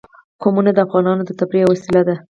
قومونه د افغانانو د تفریح یوه وسیله ده.